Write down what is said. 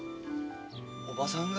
おばさんが？